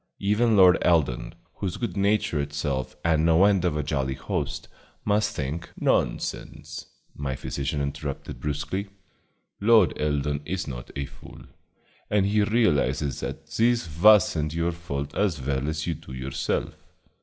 Even Lord Eldon, who's good nature itself and no end of a jolly host, must think " "Nonsense," my physician interrupted brusquely, "Lord Eldon is not a fool, and he realizes that this was n't your fault as well as you do yourself.